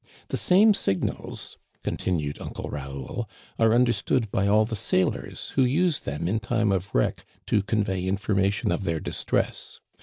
" The same signals," continued Uncle Raoul, " are understood by all the sailors, who use them in time of wreck to convey information of their distress.